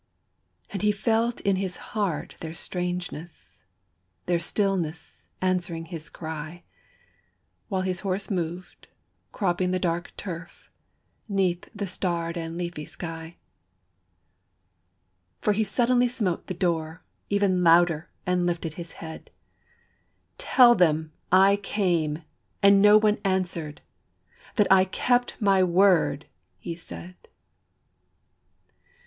And he felt in his heart their strangeness, Their stillness answering his cry, While his horse moved, cropping the dark turf, 'Neath the starred and leafy sky; For he suddenly smote the door, even Louder, and lifted his head: "Tell them I came, and no one answered, That I kept my word," he said.